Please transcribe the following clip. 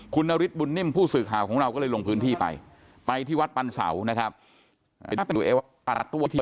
คุณนฤทธบุญนิ่มผู้สื่อข่าวของเราก็เลยลงพื้นที่ไปไปที่วัดปันเสานะครับ